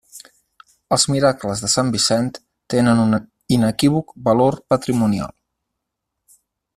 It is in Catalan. Els miracles de sant Vicent tenen un inequívoc valor patrimonial.